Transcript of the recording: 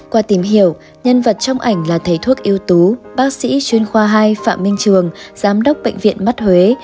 qua tìm hiểu nhân vật trong ảnh là thầy thuốc yếu tố bác sĩ chuyên khoa hai phạm minh trường giám đốc bệnh viện mắt huế